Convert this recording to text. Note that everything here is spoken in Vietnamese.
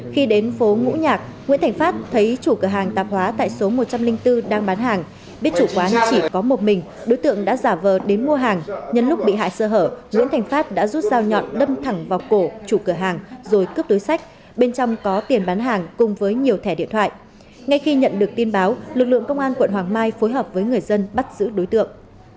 khi đến phố ngũ nhạc nguyễn thành phát thấy chủ cửa hàng tạp hóa tại số một trăm linh bốn đang bán hàng biết chủ quán chỉ có một mình đối tượng đã giả vờ đến mua hàng nhân lúc bị hại sơ hở nguyễn thành phát đã rút dao nhọn đâm thẳng vào cổ chủ cửa hàng rồi cướp đối sách bên trong có tiền bán hàng cùng với nhiều thẻ điện thoại ngay khi nhận được tin báo lực lượng công an quận hoàng mai phối hợp với người dân bắt giữ đối tượng